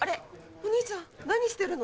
お兄ちゃん何してるの？